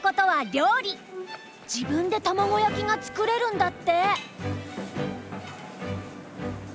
自分で卵焼きが作れるんだって。